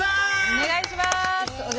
お願いします！